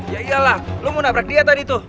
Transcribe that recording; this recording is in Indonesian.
ya iyalah lu mau nabrak dia tadi tuh